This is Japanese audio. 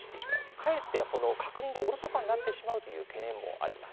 かえって確認がおろそかになってしまうという懸念もあります。